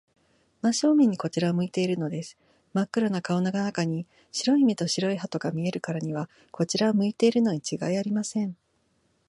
真正面にこちらを向いているのです。まっ黒な顔の中に、白い目と白い歯とが見えるからには、こちらを向いているのにちがいありません。